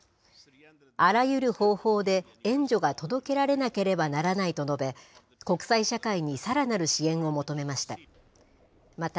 あらゆる方法で、援助が届けられなければならないと述べ、国際社会にさらなる支援を求めました。